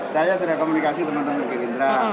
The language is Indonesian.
saya sudah komunikasi teman teman gerindra